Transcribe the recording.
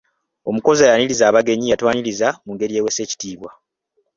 Omukozi ayaniriza abagenyi yatwanirizza mu ngeri eweesa ekitiibwa.